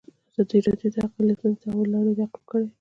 ازادي راډیو د اقلیتونه د تحول لړۍ تعقیب کړې.